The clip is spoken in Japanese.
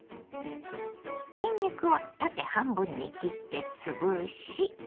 にんにくは縦半分に切って潰し。